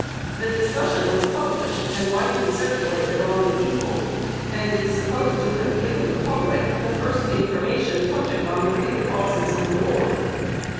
This discussion was published and widely circulated among the people; and is supposed to have given to the public the first information touching the real causes of the war.